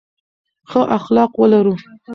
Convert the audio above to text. ښه اخلاق ولرو.